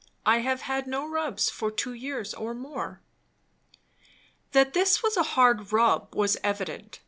I have had no rubs for two years or more." That this was a hard "rub" was evident. Mrs.